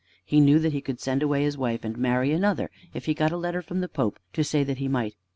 He knew that he could send away his wife and marry another if he got a letter from the Pope to say that he might.